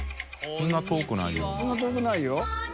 そんな遠くないよ。